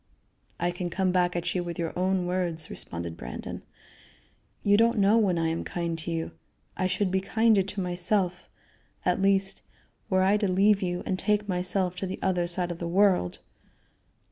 "I can come back at you with your own words," responded Brandon. "You don't know when I am kind to you. I should be kinder to myself, at least, were I to leave you and take myself to the other side of the world."